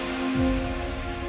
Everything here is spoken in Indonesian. dan juga mama akan berorphan papa